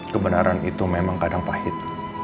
kebenaran itu memang kadang pahit